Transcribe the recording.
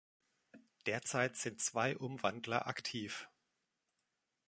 Derzeit sind zwei Umwandler aktiv.